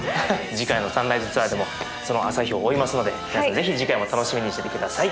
次回のサンライズツアーでも朝日を追いますので皆さんぜひ次回も楽しみにしてて下さい。